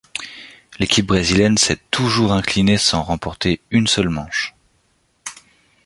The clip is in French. L'équipe brésilienne s'est toujours inclinée sans remporté une seule manche.